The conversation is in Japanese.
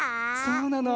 そうなの。